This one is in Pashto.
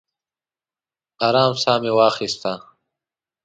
ارام ساه مې واخیسته.